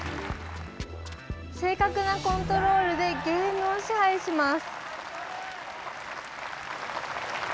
正確なコントロールでゲームを支配します。